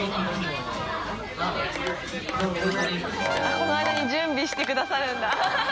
このあいだに準備してくださるんだ。